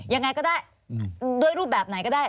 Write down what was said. ยังไงก็ได้ด้วยรูปแบบไหนก็ได้